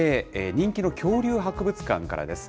人気の恐竜博物館からです。